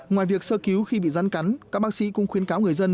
ngoài việc sơ cứu khi bị rắn cắn các bác sĩ cũng khuyến cáo người dân